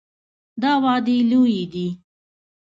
دا وعدې لویې دي.